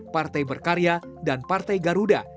partai berkarya dan partai garuda